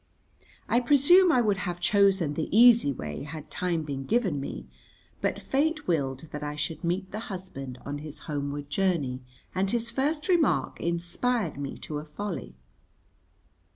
I presume I would have chosen the easy way had time been given me, but fate willed that I should meet the husband on his homeward journey, and his first remark inspired me to a folly.